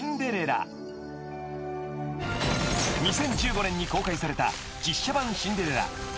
［２０１５年に公開された実写版『シンデレラ』］